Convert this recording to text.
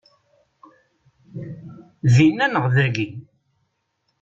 Dinna neɣ dagi?